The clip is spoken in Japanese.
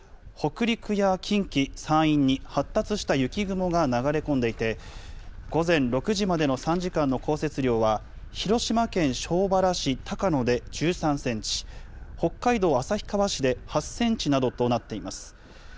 北陸や近畿、山陰に発達した雪雲が流れ込んでいて、午前６時までの３時間の降雪量は、広島県庄原市高野で１３センチ、北海道旭川市で８センチなどとなっています。